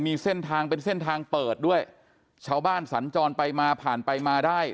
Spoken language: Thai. มีเส้นทางเป็นเส้นทางเปิดด้วยชาวบ้านสัญจรไปมาผ่านไปมาได้